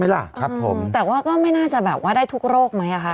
ไม่ลักษาทุกโรคคุณหมอระบากเลย